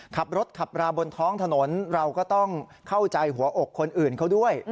ขับรถขับราบนท้องถนนเราก็ต้องเข้าใจหัวอกคนอื่นเขาด้วย